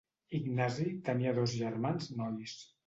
Ignasi tenia dos germans nois: